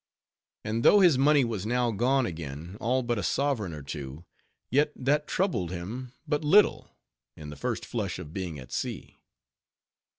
And though his money was now gone again, all but a sovereign or two, yet that troubled him but little, in the first flush of being at sea.